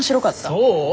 そう？